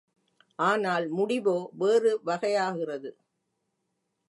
ஆனால் முடிவோ வேறு வகையாகிறது.